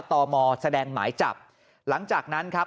ตมแสดงหมายจับหลังจากนั้นครับ